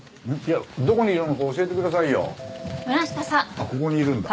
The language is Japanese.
あっここにいるんだ。